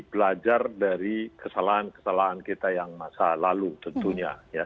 belajar dari kesalahan kesalahan kita yang masa lalu tentunya